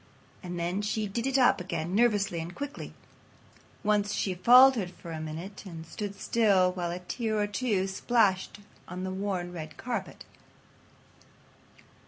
And then she did it up again nervously and quickly. Once she faltered for a minute and stood still while a tear or two splashed on the worn red carpet.